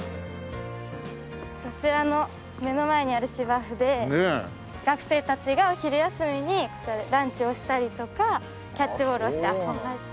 あちらの目の前にある芝生で学生たちが昼休みにこちらでランチをしたりとかキャッチボールをして遊んだり。